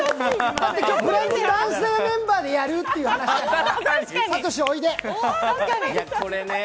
だって今日、「ブランチ」男性メンバーでやるっていう話だから。